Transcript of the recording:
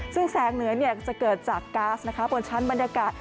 ซึ่งแสงเหนือจะเกิดจากก๊าซบนชั้นบรรยากาศ